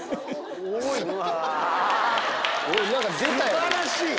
素晴らしい！